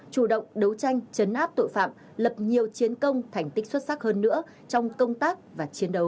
chủ động đấu tranh chấn áp tội phạm lập nhiều chiến công thành tích xuất sắc hơn nữa trong công tác và chiến đấu